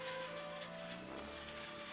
sebagai supir berbari saya